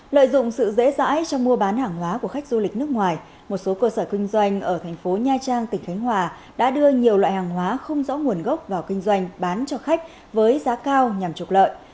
lợi dụng sự dễ dãi trong mua bán hàng hóa của khách du lịch nước ngoài một số cơ sở kinh doanh ở thành phố nha trang tỉnh khánh hòa đã đưa nhiều loại hàng hóa không rõ nguồn gốc vào kinh doanh bán cho khách với giá cao nhằm trục lợi